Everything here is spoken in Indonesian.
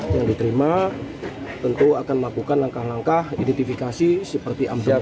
yang diterima tentu akan melakukan langkah langkah identifikasi seperti amble